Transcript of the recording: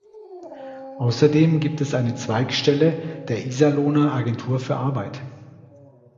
Außerdem gibt es eine Zweigstelle der Iserlohner Agentur für Arbeit.